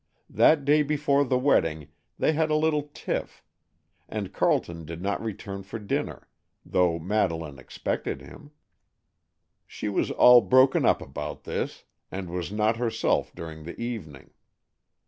That day before the wedding they had a little tiff, and Carleton did not return for dinner, though Madeleine expected him. She was all broken up about this, and was not herself during the evening.